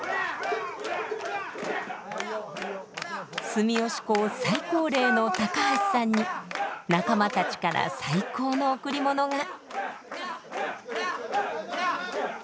住吉講最高齢の高橋さんに仲間たちから最高の贈り物が。